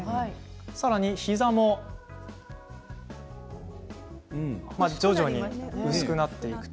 さらに膝も徐々に薄くなっています。